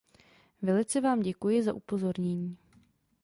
Velice vám děkuji za upozornění.